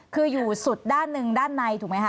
คืออยู่สุดด้านหนึ่งด้านในถูกไหมคะ